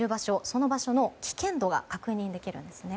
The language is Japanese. その場所の危険度が確認できるんですね。